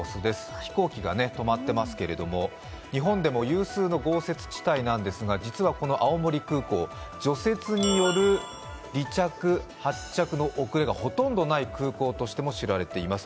飛行機が止まってますけれども、日本でも有数の豪雪地帯なんですが実はこの青森空港、除雪による離着・発着の遅れがほとんどない空港としても知られています。